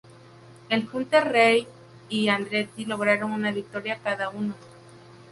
Él, Hunter-Reay y Andretti lograron una victoria cada uno.